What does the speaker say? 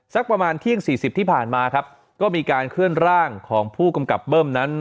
สักประมาณเที่ยงสี่สิบที่ผ่านมาครับก็มีการเคลื่อนร่างของผู้กำกับเบิ้มนั้น